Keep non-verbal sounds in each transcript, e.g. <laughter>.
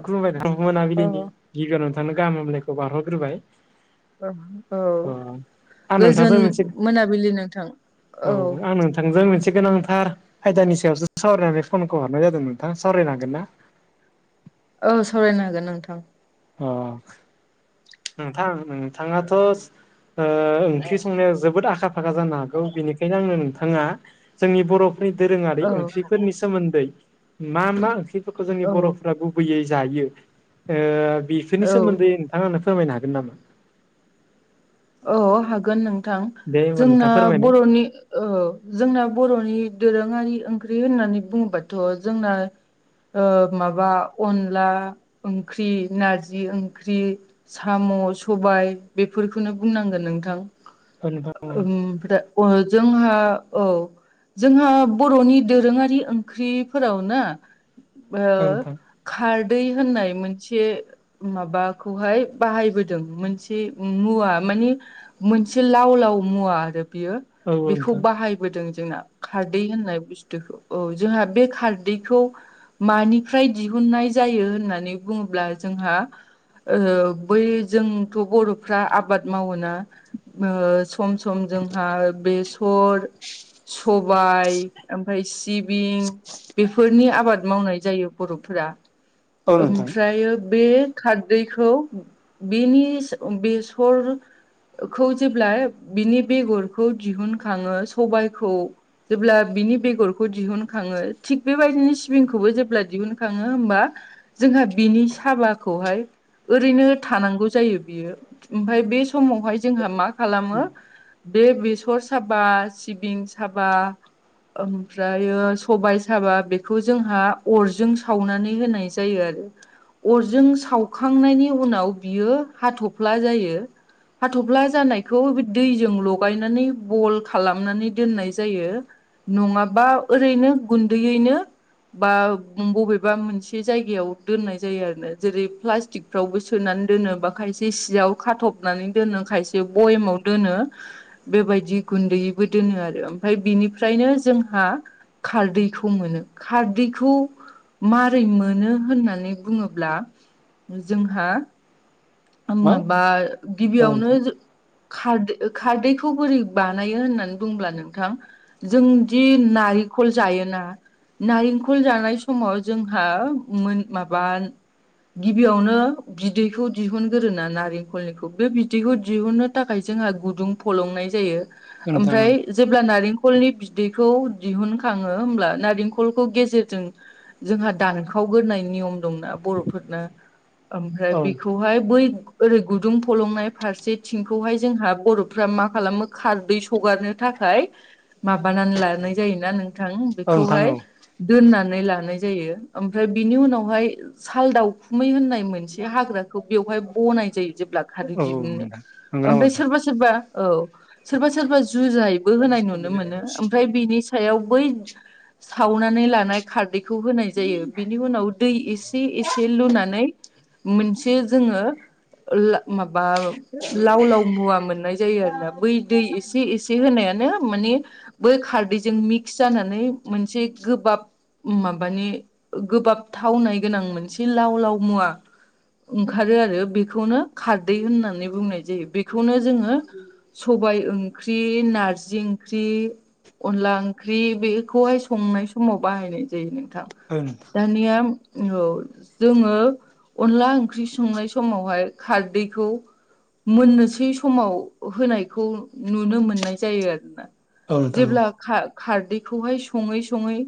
<unintelligible> औ मोनाबिलिनि गिबियाव नोंथांनो गाहाम हामलायनायखौ बारहरग्रोबाय। औ अ आं गोजोन नोंथांजों मोनसे मोनाबिलि नोंथां औ। नोंथांजों मोनसे गोनांथार आयदानि सायावसो सावरायनानै फनखौ हरनाय जादों नोंथां सावरायनो हागोन ना? औ सावरायनो हागोन नोंथां। अ। नोंथां नोंथाङाथ' ओंख्रि संनायाव जोबोद आखा <unintelligible> जानो हागौ बेनिखायनो आंनो नोंथाङा जोंनि बर' बै दोरोङारि औ ओंख्रिफोरनि सोमोन्दै मा मा ओंख्रिफोरखौ जोंनि औ बर'फोरा गुबैयै जायो ओ बेफोरनि औ सोमोन्दै नोंथाङा फोरमायनो हागोन नामा? औ हागोन नोंथां दे होमबा जोंना नोंथां फोरमायनाय बर'नि ओ जोंना बर'नि दोरोङारि ओंख्रि होननानै बुङोबाथ' जोंना ओ माबा अनला ओंख्रि नारजि ओंख्रि। साम' सबाय बेफोरखौनो बुंनांगोन नोंथां औ नोंथां उमफ्रा जोंहा औ। जोंहा बर'नि दोरोङारि ओंख्रिफोरावना ओ औ नोंथां खारदै होननाय मोनसे माबाखौहाय बाहायबोदों मोनसे मुवा माने मोनसे लाव लाव मुवा आरो औ बिखौ नोंथां। बाहाय बोदों जोंना खारदै होननाय बुस्थुखौ औ जोंहा बे खारदैखौ मानिफ्राय दिहुननाय जायो होननानै बुङोब्ला जोंहा ओ बै जोंथ' बर' फ्रा आबाद मावोना ओ सम सम जोंहा बेसर सबाय ओमफ्राय सिबिं बेफोरनि आबाद मावनाय जायो बर'फोरा। औ नोंथां ओमफ्रायो बे खारदैखौ बेनिस बेसर खौ जेब्ला बिनि बेगरखौ दिहुनखाङो सबायखौ जेब्ला बिनि बेगरखौ दिहुनखाङो थिग बेबायदिनो सिबिंखौबो जेब्ला दिहुनखाङो होमबा जोंहा बिनि साबाखौहाय ओरैनो थानांगौ जायो बियो। ओमफाय बे समावहाय जोंहा मा खालामो बे बेसर साबा सिबिं साबा ओमफ्रायो सबाय साबा बेखौ जोंहा अरजों सावनानै होनाय जायो आरो। अरजों सावखांनायनि उनाव बियो हाथफ्ला जायो। हाथफ्ला जानायखौ दैजों लगायनानै बल खालामनानै दोननाय जायो। नङाबा ओरैनो गुन्दैयैनो बा बबेबा मोनसे जायगायाव दोननाय जायो आरो ना जेरै प्लास्टिक फ्रावबो सोनानै दोनो बा खायसे सियाव खाथबनानै दोनो खायसे बयेमाव दोनो। बेबायदि गुन्दैयैबो दोनो आरो ओमफ्राय बिनिफ्रायनो जोंहा खारदैखौ मोनो खारदैखौ मारै मोनो होननानै बुङोब्ला जोंहा मा माबा औ गिबियावनो खारदै खारदैखौ बोरै बानायो होननानै बुंब्ला नोंथां जोंदि नारिखल जायोना नारेंखल जानाय समाव जोंहा मोन माबा गिबियावनो बिदैखौ दिहुनग्रोरो ना नारेंखलनिखौ बे बिदैखौ दिहुननो थाखाय जोंहा गुदुं फलंनाय जायो। नोंथां औ नोंथां औ ओमफ्राय जेब्ला नारेंखलनि बिदैखौ दिहुनखाङो होमब्ला नारेंखलखौ गेजेरजों जोंहा दानखावगोराय नियम दंना बर'फोरनो ओमफ्राय औ हाय बै ओरै गुदुं फलंनाय फारसेथिंखौहाय जोंहा बर'फ्रा मा खालामो खारदै सगारनो थाखाय माबानानै लानाय जायोना नों थां औ नोंथां बेखौहाय औ दोननानै लानाय जायो ओमफ्राय बिनि उनावहाय सालदाउखुमै होननाय मोनसे हाग्राखौ बेवहाय बनाय जायो। जेब्ला खारै औ औ दिहुननो नोंथां नंगौ नामा ओमफ्राय नोंथां? सोरबा सोरबा औ सोरबा सोरबा जुजायबो ओं औ होनाय नुनो नोंथां औ मोनो ओमफ्राय बिनि सायाव बै सावनानै लानाय खारदैखौ होनाय जायो बिनि उनाव दै एसे एसे लुनानै मोनसे जोंङो ओला माबा लाव लाव मुवा मोननाय जायो आरो ना बै दै एसे एसे से होनायानो मानि बै खारदैजों मिक्स जानानै मोनसे गोबाब माबानि गोबाब थावनाय गोनां मोनसे लाव लाव मुवा ओंखारो आरो बेखौनो खारदै होननानै बुंनाय जायो बेखौनो जोंङो सबाय ओंख्रि नारजि ओंख्रि अनला ओंख्रि बेखौहाय संनाय समाव बाहायनाय जायो नोंथां। ओं दानिया औ जोंङो अनला ओंख्रि संनाय समावहाय खारदैखौ मोननोसै समाव होनायखौ नुनो मोननाय जायो आरोना। औ नोंथां औ नोंथां औ। जेब्ला खार खारदैखौहाय सङै सङै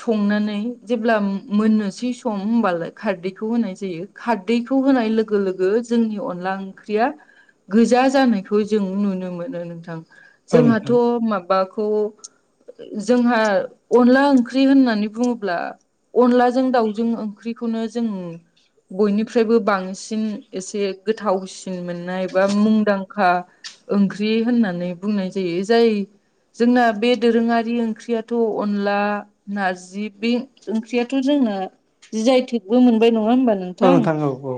संनानै जेब्ला मोननोसै सम होनोमबालाय खारदैखौ होनाय जायो। खारदैखौ होनाय लोगो लोगो जोंनि अनला ओंख्रिया गोजा जानायखौ जों नुनो मोनो नोंथां औ जोंहाथ' माबाखौ जोंहा अनला ओंख्रि होननानै बुङोब्ला अनलाजों दाउजों ओंख्रिखौनो जों बयनिफ्रायबो बांसिन एसे गोथावसिन मोननाय बा मुंदांखा ओंख्रि होननानै बुंनाय जायो जाय जोंना बे दोरोङारि ओंख्रियाथ' अनला। नारजि बे ओंख्रियाथ' जोंना जि जियाथेगबो मोनबाय नङा होमबा नों औ थांगौ औ-औ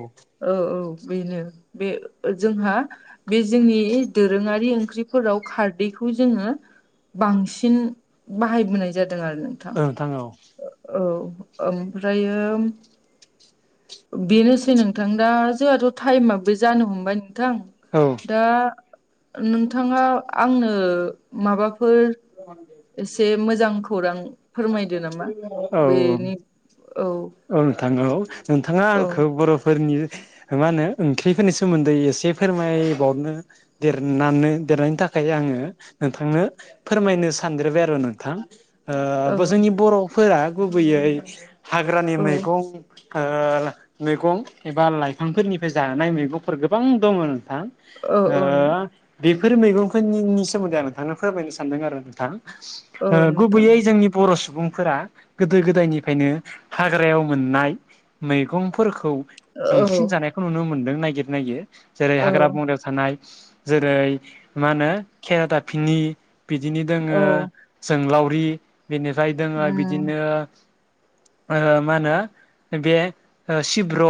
औ औ बेनो बे ओ जोंहा बे जोंनि दोरोङारि ओंख्रिफोराव खारदैखौ जोंङो बांसिन बाहायबोनाय जादों आरो न नोंथां औ औ ओमफ्रायो ओ बेनोसै नोंथां दा जोंहाथ' टाइमाबबो जानो हमबाय नोंथां। औ दा नोंथाङा आंनो माबाफोर एसे मोजां खौरां फोरमायदो नामा औ औ। बेनि औ औ नोंथां औ नोंथाङा औ आंखौ बर'फोरनि मा होनो ओंख्रिफोरनि सोमोन्दै एसे फोरमायबावनो देरनानै देरनायनि थाखाय आंङो नोंथांनो फोरमायनो सानद्रोबाय आरो नोंथां औ ओ जोंनि बर'फोरा गुबैयै हाग्रानि औ मैगं ओ मैगं एबा लाइफांफोरनिफ्राय जानाय मैगंफोर गोबां दङ नोंथां। औ औ हो बेफोर मैगंफोरनिनि सोमोन्दै आं नोंथांनो फोरमायनो सानदों आरो नोंथां। औ ओ नोंथां गुबैयै जोंनि बर' सुबुंफोरा गोदो गोदायनिफ्रायनो हाग्रायाव मोननाय मैगंफोरखौ औ बांसिन जानायखौ नुनो मोन्दों ननायागिर नागिर। जेरै हाग्रा- औ बंग्रायाव थानाय जेरै मा होनो खेरादाफसिनि। बिदिनो दोङो औ जोंगलावरि बेनिफ्राय दोङो बिदिनो। मा होनो बे सिब्र'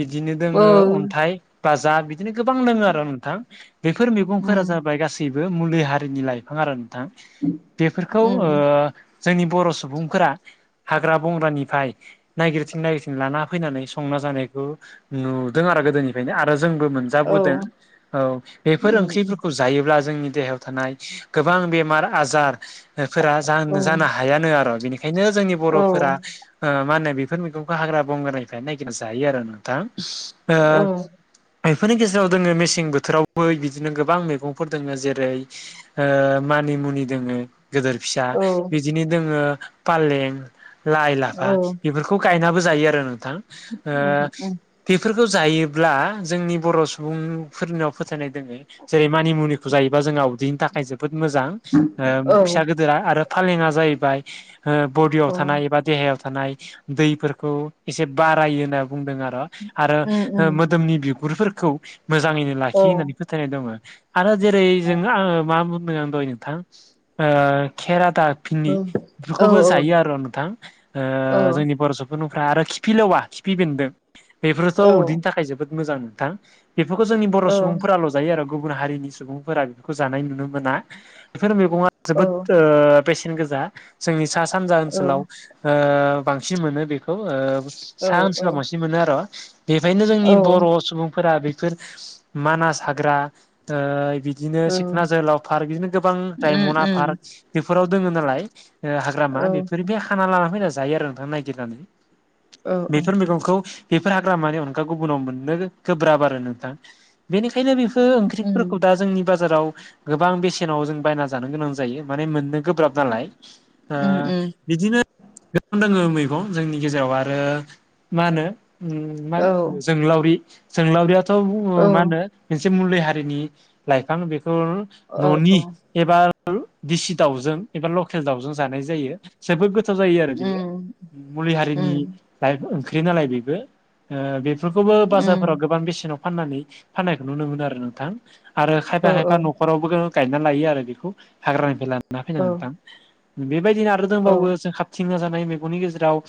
बिदिनो दोङो अन्थाइ बाजाब बिदिनो गोबां दोङो आरो नोंथां बेफोर मैगंफोरा जाबाय गासै बेफोरो मुलि हारिनि लाइफां आरो नोंथां बेफोरखौ ओ जोंनि बर' सुबुंफोरा हाग्रा बंग्रानिफ्राय नायगिरथिं नायगिरथिं लाना फैनानै संना जानायखौ नुदों आरो गोदोनि नो आरो जोंबो मोनजोदों औ बेफोर ओंफोरखौ जायोब्ला जोंनि देहायाव थानाय गोबां बेमार आजार फोरा जा जानो हायानो आरो बिनिखायनो जोंनि बर'फोरा ओ मा होनो बेफोर मैगंखौ हाग्रा- बंग्रानिफ्राय नायगिरना जायो आरो नोंथां। ओ बेफोरनि गेजेराव दोङो मेसें बोथोरावबो बिदिनो गोबां मैगंफोर दङ जेरै मानि मुनि दोङो गिदोर फिसा बिदिनो दोङो फालें, लाइ, लाफा बेफोरखौ खौ गायनाबो जायो आरो नोंथां बेफोरखौ जायोब्ला जोंनि बर' सुबुंफोरनाव फोथायनाय दोङो। जेरै मानिमुनिखौ जायोबा जोंहा उदैनि थाखाय जोबोद मोजां। फिसा गिदिरा आरो फालेंआ जाहैबाय ओ बडियाव थानाय एबा देहायाव थानाय दैफोरखौ एसे बारायो होनना बुंदों आरो। आरो मोदोमनि बिगुरफोरखौ मोजाङैनो लाखियो होननानै फोथायनाय दङ। आरो जेरै जों आङो मा बुंदों आं दहय नोंथां ओ खेरादाब फिनि बेफोरखौबो जायो आरो ओ नोंथां जोंनि बर' सुबुंफ्रा आरो खिफि लेवा खिफि बेन्दों बेफोरथ' उदैनि थाखाय जोबोद मोजां नोंथां बेफोरखौ जोंनि बर' सुबुंफोराल' दायो आरो गुबुन हारिनि सुबुंफोरा बे जानाय नुनो मोना। बेफोर मैगङा जोबोद बेसेन गोसा जोंनि सा सानजा ओनसोलाव बांसिन मोनो बे सा ओन्सोलाव बांसिन मोनो आरो बेखायनो जोंनि बर' सुबुंफोरा बे फोर मानास हाग्रा ओ बि बिदिनो सिखना जोहोलाव पार्क बिदिनो गोबां रायमना पार्क बेफोराव दङ नालाय। हाग्रामा बेफोर बे हाना लाना फैना जायो आरो नोंथा नायगिरनानै। बेफोर मैगंखौ बेफोर हाग्रामानि अनगा गुबुनाव मोननो गोब्राब आरो नोंथाङां। बेनिखायनो बेफोर ओंख्रिफोरखौ दा जोंनि बाजाराव गोबां बेसेनाव जों बायना जानो गोनां जायो। माने मोननो गोब्राब नालाय ओ बिदिनो गोबां दोङो मैगं जोंनि गेजेराव आरो मा होनो मानो जोंगलावरि जोंलावरियाथ' मा होनो- मोनसे मुलि हारिनि लाइफां बेखौ न'नि- एबा दिसि दाउजों एबा लकेल दाउजों जानाय जायो। जोबोद गो खथ जायो आरो बेयो मुलि हारिनि ला ओंख्रि नालाय बेबो ओ - बेफोरखौबो बाजारफोराव गोबां बेसेनाव फाननानै फाननायखौ नुनो मोनो आरो नोंथां। आरो खायफा खायफा न'खरावबो गायना लायो आरो बेखौ हाग्रानिफ्राय लाना फैनो नोंथां। बेबायदिनो आरो दंबावो जों खाबथिंना जानाय मेगंनि गेजेराव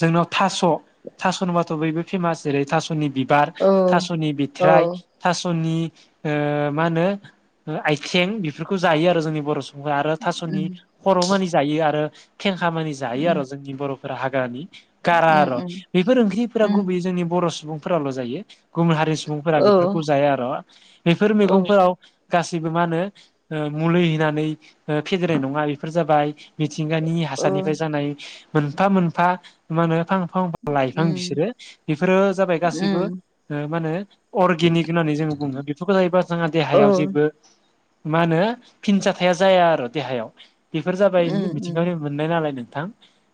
जोंनाव थास' थास' होनबाथ' बयबो फेमास जेरै, थास' थास'नि बिबार, थास'नि बिथ्राइ थास'नि ओ मा होनो आइथिं बेफोरखौ जायो आरो जोंनि बर' सुबुं आरो थास'नि उम खर' मानि जायो आरो फेंखा मानि जायो उम आरो जोंनि बर' हाग्रानि गारा र' उम उम बेफोर ओंख्रिफोरा उम गुबैयै जोंनि बर' सुबुंफोराल' जायो। गुबुन हारिनि सुबुंफोरा औ बेफोरखौ जाया आर' बेफोर औ मैगंफोराव- गासैबो मा होनो मुलि होननानै फेदेरनाय नङा बेफोर जाबाय मिथिंगानि औ हासारनिफ्राय जानाय मोनफा-मोनफा मा होनो फां फांफा लाइफां उम बिसोरो बेफोरो जाबाय गासैबो। उम ओ मा होनो अर्गेनिक होननानै जोङो बुङो बेफोरखौ जाहैबा जोंहा औ देहायाव जेबो मा होनो फिनजाथाया जाया आरो देहायाव बेफोर जाबाय उम उम मिथिंगानि मोननाय नालाय नोंथां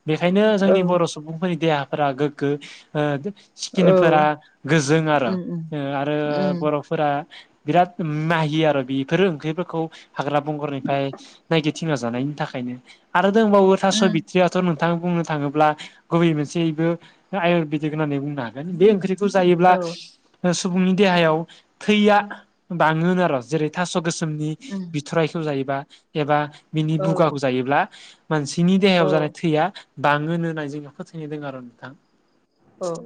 बेखायनो औ जोंनि बर सुबुंफोरनि देहाफोरा गोग्गो ओ औ सिकिनफोरा गोजों आर उम उम आरो उम बर फोरा बिराद माही आरो बेफोरो ओंख्रिफोरखौ हाग्रा बंगारनिफ्राय। नायगिरथिंना जानायनि थाखायनो आरो दंबावो थास उम बिथ्रियाथ नों आं बुंनो थाङोब्ला गुबै मोनसेयैबो आयुरवेदिक होननानै बुंनो हागोन बे ओंख्रि जायोब्ला औ सुबुंनि देहायाव थैया बाङोन आरो जेरै थास गोसोमनि उम बिथराइखौ जायोबा एबा बिनि औ बुगाखौ औ जायोब्ला। मानसिनि देहायाव औ औ जानाय थैया बाङोनो होननानै जोंङो फोथायनायदों आरो नोंथां।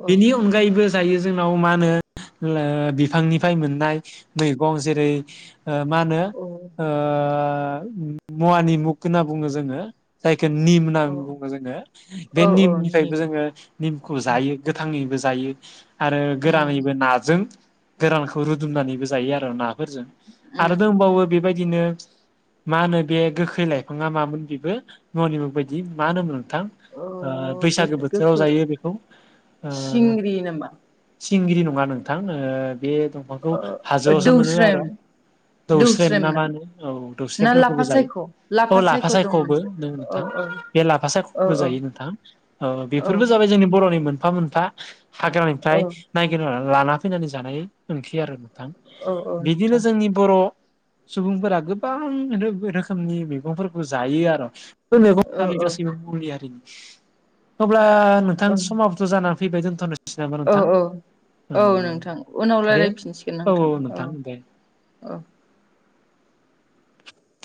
बेनि अनगायैबो। जायो जोंनाव मा होनो बिफांनिफ्राय मोननाय मैगं जेरै ओ मा होनो औ ओ मुवानि मुग होनना बुङो जोङो। जायखौ निम होननानै औ बुङो जोङो बे औ औ निमनिफ्रायबो निम जोङो- निमखौ जायो गोथाङैबो जायो आरो उम गोरानैानैबो नाजों। गोरानखौ रुदुमनानैबो जायो आरो नाफोरजों आरो उम दंबावो बेबायदिनो। मा होनो बे गोखै लाइफाङा मामोन बेबो ननिमु बायदि मा होनोमोन नोंथां। औ गोद बैसागो बोथोराव गोखो जायो बेखौ ओ सिंग्रि नामा सिंगगिरि नङा नोंथां ओ-बे दंफांखौ ओ ओ हाजोआवसो मोनो आर दौस्रेम दौस्रेम ना मा होनो औ ना दौस्रेमफोरखौबो लाफा जायो। सायख' औ लाफा सायख' दं सायखबो मोनसे नों औ नोंथां। बे लाफा औ सायबो औ जायो नोंथां औ बेफोरबो जाबाय जोंनि बरनि मोनफा मोन फा औ हाग्रानिफ्राय नायगिर लाना फैनानै जानाय मोनसै आरो नोंथां। औ औ बिदिनो नोंथां जोंनि बर सुबुंफोरा गोबां रोखोमनि बि मैगंफोरखौ जायो आरो मैगं औ जायो गासैबो मनि हारिनि अब्ला नों औ नोंथां समाबोथ जानानै फैबाय दोनथ'नोसै नामा औ नोंथां। औ औ नोंथां उनाव दे रायलायफिनसिगोन नोंथां औ औ।